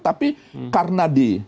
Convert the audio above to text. tapi karena di